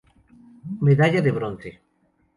Medalla de Bronce.